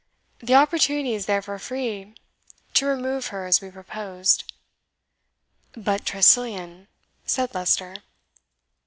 The opportunity is therefore free to remove her as we proposed." "But Tressilian?" said Leicester.